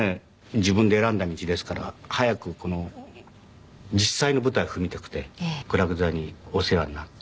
自分で選んだ道ですから早く実際の舞台を踏みたくて苦楽座にお世話になって。